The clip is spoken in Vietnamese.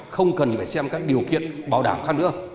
không cần phải xem các điều kiện bảo đảm khác nữa